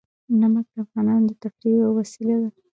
نمک د افغانانو د تفریح یوه وسیله ده.